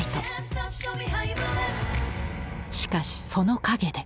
しかしその陰で。